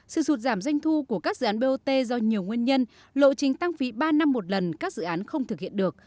sự sụt giảm doanh thu của các dự án bot do nhiều nguyên nhân lộ trình tăng phí ba năm một lần các dự án không thực hiện được